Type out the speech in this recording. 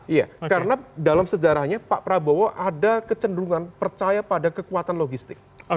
iya karena dalam sejarahnya pak prabowo ada kecenderungan percaya pada kekuatan logistik